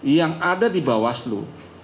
yang ada di bawah slu